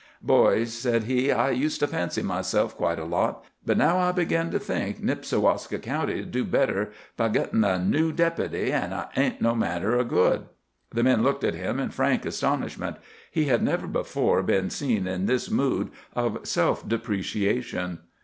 "Boys," said he, "I used to fancy myself quite a lot. But now I begin to think Nipsiwaska County'd better be gittin' a noo Deputy. I ain't no manner o' good." The men looked at him in frank astonishment. He had never before been seen in this mood of self depreciation.